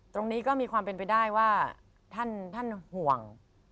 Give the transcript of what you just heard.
ตรงนี้ก็มีความเป็นไปได้ว่าท่านห่วง